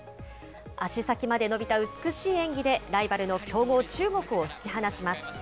足先まで伸びた美しい演技で、ライバルの強豪、中国を引き離します。